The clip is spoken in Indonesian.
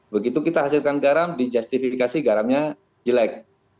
begitu kita hasilkan garam dijustifikasi garamnya jelek